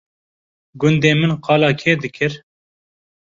gundê min qala kê dikir